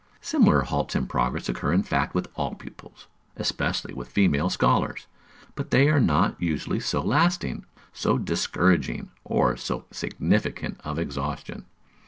Similar halts in progress occur in fact with all pupils, especially with female scholars; but they are not usually so lasting, so discouraging, or so significant of exhaustion.